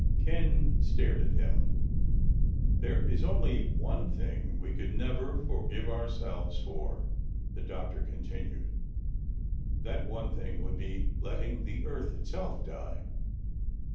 Ken stared at him. "There is only one thing we could never forgive ourselves for," the doctor continued. "That one thing would be letting the Earth itself die.